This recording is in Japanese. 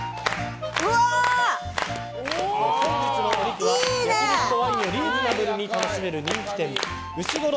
本日のお肉は焼き肉とワインをリーズナブルに楽しめる人気店うしごろ